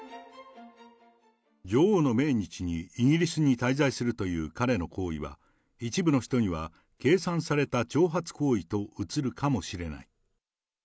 女王の命日にイギリスに滞在するという彼の行為は、一部の人には計算された挑発行為と映るかもしれない。